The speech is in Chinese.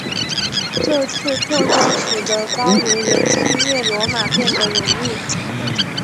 这次扩张使得高卢人侵略罗马变得容易。